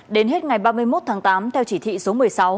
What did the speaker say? đến hết ngày ba mươi một tháng tám theo chỉ thị số một mươi sáu